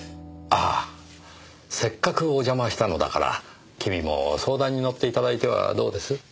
ああせっかくお邪魔したのだから君も相談に乗って頂いてはどうです？